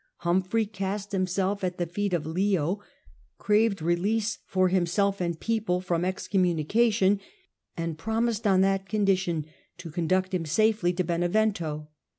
Humphrey cast himself at the feet of Leo, craved release for himself and people from excommunication, and promised, on that condition, to conduct him safely to Benevento.